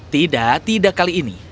tidak tidak kali ini